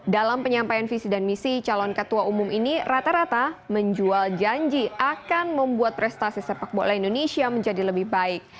dalam penyampaian visi dan misi calon ketua umum ini rata rata menjual janji akan membuat prestasi sepak bola indonesia menjadi lebih baik